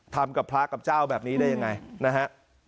ทำกับพระกับเจ้าแบบนี้ได้ยังไงนะฮะ